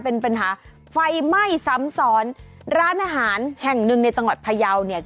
เป็นปัญหาไฟไหม้ซ้ำซ้อนร้านอาหารแห่งหนึ่งในจังหวัดพยาวเนี่ย